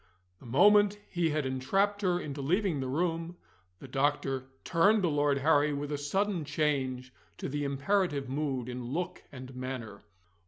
The moment he had entrapped her into leaving the room, the doctor turned to Lord Harry with a sudden change to the imperative mood in look and manner.